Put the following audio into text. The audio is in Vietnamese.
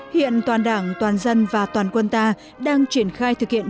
hiện toàn đảng toàn dân và toàn quân ta đang triển khai thực hiện